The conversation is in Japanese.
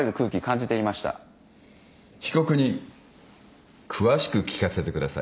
被告人詳しく聞かせてください。